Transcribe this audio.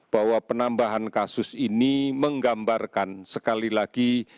bahwa penambahan kasus ini menggambarkan sekali lagi